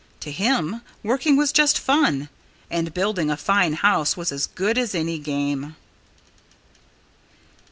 To him, working was just fun. And building a fine house was as good as any game.